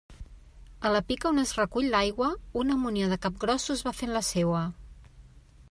A la pica on es recull l'aigua una munió de capgrossos va fent la seua.